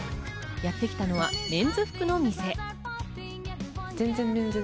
やってきたのはメンズ服の店。